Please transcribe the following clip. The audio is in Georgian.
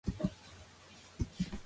გამოედინება მდინარე სონქოლი.